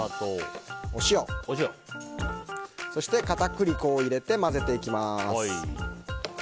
お塩、そして片栗粉を入れて混ぜていきます。